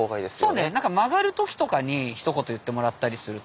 そうね曲がる時とかにひと言言ってもらったりすると。